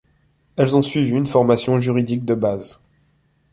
Elles ont suivi une formation juridique de base.